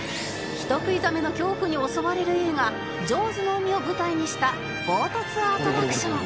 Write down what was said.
人食いザメの恐怖に襲われる映画『ジョーズ』の海を舞台にしたボートツアーアトラクション